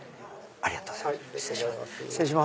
ありがとうございます。